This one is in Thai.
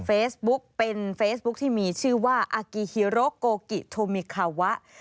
เฟซบุ๊กเป็นเฟซบุ๊คที่มีชื่อว่าอากิฮิโรโกกิโทมิคาวะ